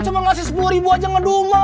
cuma ngasih sepuluh ribu aja ngedung